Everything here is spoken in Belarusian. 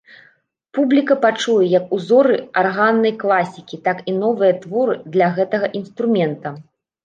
Публіка пачуе як узоры арганнай класікі, так і новыя творы для гэтага інструмента.